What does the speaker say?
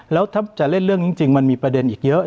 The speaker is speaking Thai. แล้วถ้าจะเล่นเรื่องนี้จริงมันมีประเด็นอีกเยอะ